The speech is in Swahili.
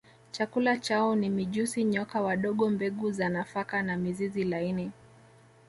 Chakula chao ni mijusi nyoka wadogo mbegu za nafaka na mizizi laini